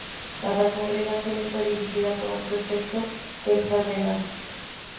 Cada congregación está dirigida por un prefecto, que es cardenal.